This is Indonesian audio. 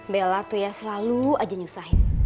bella tuh ya selalu aja nyusahin